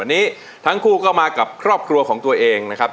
วันนี้ทั้งคู่ก็มากับครอบครัวของตัวเองนะครับ